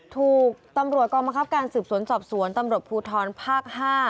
ถูกตำรวจกองบังคับการสืบสวนสอบสวนตำรวจภูทรภาค๕